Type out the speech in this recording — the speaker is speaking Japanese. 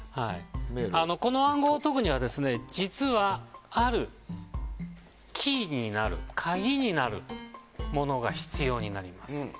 この暗号を解くには実は、あるキーになるものが必要になります。